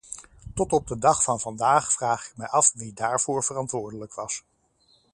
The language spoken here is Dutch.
Tot op de dag van vandaag vraag ik mij af wie daarvoor verantwoordelijk was.